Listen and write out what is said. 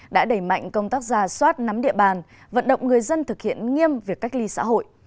đã đẩy mạnh công tác ra soát nắm địa bàn vận động người dân thực hiện nghiêm việc cách ly xã hội